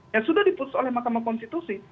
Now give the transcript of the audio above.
ya sudah diputus oleh mahkamah konstitusi